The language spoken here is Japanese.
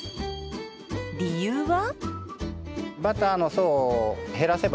理由は。